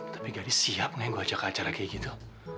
tapi gadis siap ga yang gua ajak ke acara kayak gitu